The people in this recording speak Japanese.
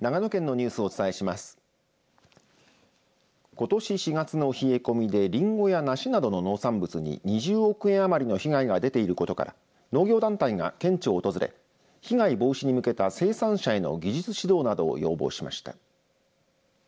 ことし４月の冷え込みでリンゴや梨などの農産物に２０億円余りの被害が出ていることから農業団体が県庁を訪れ被害防止に向けた生産者への技術指導などを要望しました。